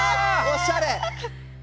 おしゃれ！